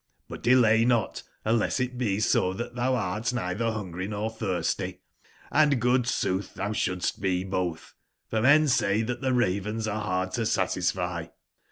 But delay not, unless it be so that thou art neither hungry nor thirsty; and good sooth thou shouldst be both; for men say that the ravens are hard to satisfy.